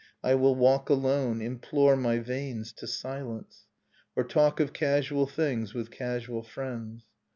I will walk alone, implore my veins to silence. Or talk of casual things with casual friends.